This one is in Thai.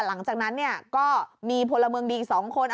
หลังจากนั้นก็มีพลเมืองดีอีก๒คน